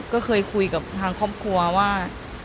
ก็เคยคุยกับทางครอบครัวว่า